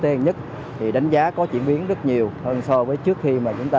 thế âm nhất thì đánh giá có chuyển biến rất nhiều hơn so với trước khi mà chúng ta